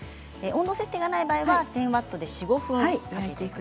温度設定がない場合には１０００ワットで４、５分です。